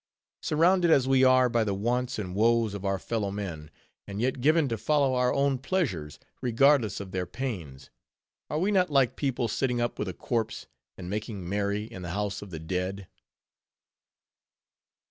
Surrounded as we are by the wants and woes of our fellowmen, and yet given to follow our own pleasures, regardless of their pains, are we not like people sitting up with a corpse, and making merry in the house of the dead?